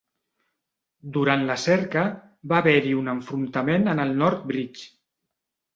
Durant la cerca, va haver-hi un enfrontament en el North Bridge.